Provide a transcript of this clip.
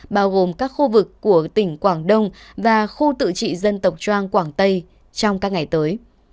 bao gồm các khu vực của tỉnh quảng đông và khu tự trị dân tộc trang quảng tây trong các ngày tới